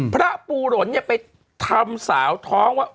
พระปูหลนเนี่ยไปทำสาวท้องว่า